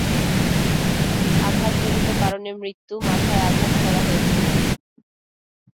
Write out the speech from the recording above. আঘাতজনিত কারণে মৃত্যু, মাথায় আঘাত করা হয়েছিল।